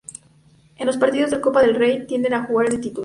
En los partidos de Copa del Rey, tiende a jugar de titular.